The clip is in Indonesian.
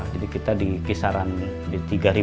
jadi kita di kisaran mencapai